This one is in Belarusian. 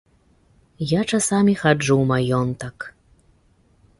Я часамі хаджу ў маёнтак.